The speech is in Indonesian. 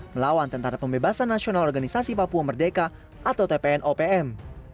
melawan tentara pembebasan nasional organisasi papua merdeka atau tpn opm